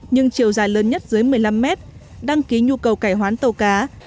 nhưng chiều dài lớn nhất dưới một mươi năm mét đăng ký nhu cầu cải hoán tàu cá